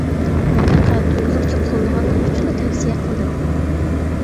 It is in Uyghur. مەن پەقەت ئۇيغۇرچە قوللىغانلىقى ئۈچۈنلا تەۋسىيە قىلدىم.